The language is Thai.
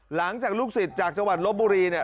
หลังจากลูกศิษย์จากจังหวัดลบบุรีเนี่ย